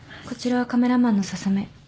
こちらはカメラマンの笹目。